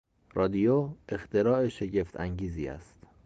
رادیو اختراع شگفتانگیزی است.